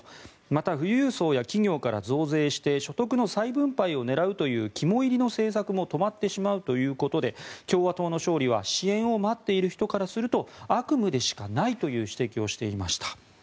また、富裕層や企業から増税して所得の再分配を狙うという肝煎りの政策も止まってしまうということで共和党の勝利は支援を待っている人からすると悪夢でしかないという指摘をしていました。